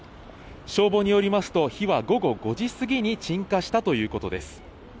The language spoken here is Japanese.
消防によりますと、火は午後５時過ぎに鎮火したということです。